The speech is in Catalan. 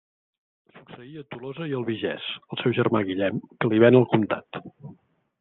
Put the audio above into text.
Succeí a Tolosa i Albigès el seu germà Guillem, que li ven el comtat.